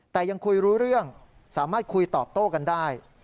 แต่ยังคุยรู้เรื่องสามารถคุยตอบโต้กันได้